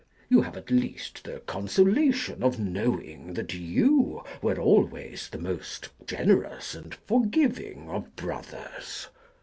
You have at least the consolation of knowing that you were always the most generous and forgiving of brothers.